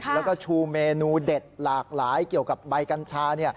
แล้วก็ชูเมนูเด็ดหลากหลายเกี่ยวกับใบกัญชา